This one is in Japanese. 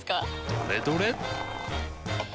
どれどれっ！